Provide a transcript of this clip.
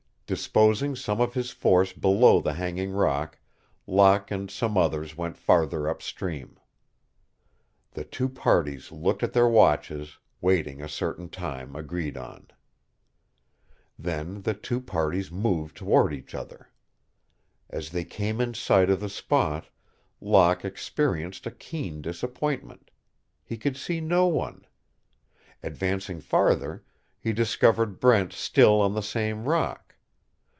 Disposing some of his force below the hanging rock, Locke and some others went farther upstream. The two parties looked at their watches, waiting a certain time agreed on. Then the two parties moved toward each other. As they came in sight of the spot, Locke experienced a keen disappointment. He could see no one. Advancing farther, he discovered Brent still on the same rock.